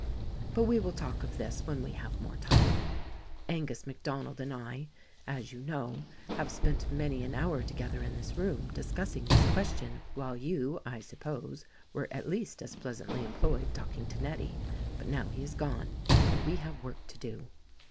"But we will talk of this when we have more time. Angus MacDonald and I, as you know, have spent many an hour together in this room discussing this question while you, I suppose, were at least as pleasantly employed THE RECORDING ANGEL 77 talking to Nettie. But now he is gone, and we have work to do."